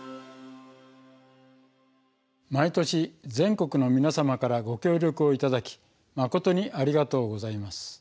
毎年全国の皆様からご協力をいただき誠にありがとうございます。